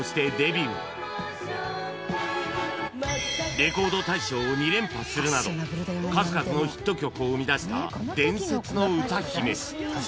レコード大賞を２連覇するなど数々のヒット曲を生み出した伝説の歌姫